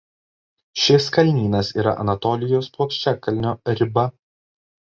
Šis kalnynas yra Anatolijos plokščiakalnio riba.